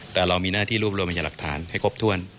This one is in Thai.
แต่เรามีหน้าที่รวบรวมพยาหลักฐานให้ครบถ้วน